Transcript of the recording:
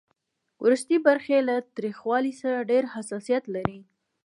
ورستۍ برخه یې له تریخوالي سره ډېر حساسیت لري.